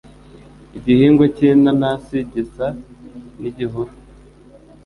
Igihingwa cy'inanasi gisa n'igihuru.